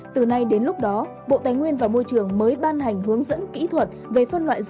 từ nay đến lúc đó bộ tài nguyên và môi trường mới ban hành hướng dẫn kỹ thuật về phân loại rác